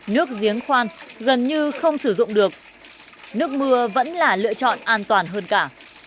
nước giếng khoan gần như không sử dụng được nước mưa vẫn là lựa chọn an toàn hơn cả